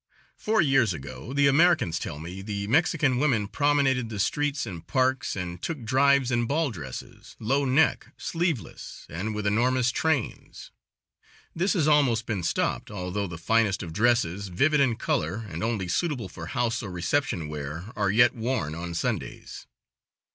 Four years ago, the Americans tell me, the Mexican women promenaded the streets and parks and took drives in ball dresses, low neck, sleeveless, and with enormous trains; this has almost been stopped, although the finest of dresses, vivid in color, and only suitable for house or reception wear, are yet worn on Sundays.